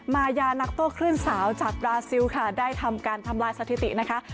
มายานักโต้คลื่นสาวจากบราซิลค่ะได้ทำการทำลายสถิตินะคะ